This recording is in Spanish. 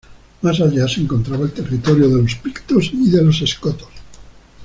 Más allá se encontraba el territorio de los pictos y de los escotos.